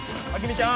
ちゃーん